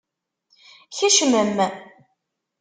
Kecmem!